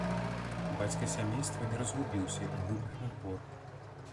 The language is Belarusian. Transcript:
Бацька сямейства не разгубіўся і выбег на двор.